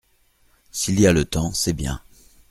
S’il y a le temps c’est bien.